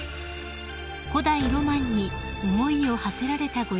［古代ロマンに思いをはせられたご様子でした］